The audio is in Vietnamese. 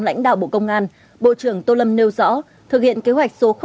lãnh đạo bộ công an bộ trưởng tô lâm nêu rõ thực hiện kế hoạch số năm